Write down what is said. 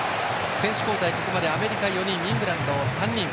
選手交代、ここまでアメリカ４人イングランドは３人。